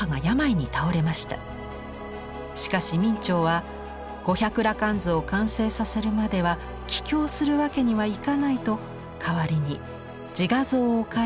しかし明兆は「五百羅漢図」を完成させるまでは帰郷するわけにはいかないと代わりに自画像を描いて母に送ったのです。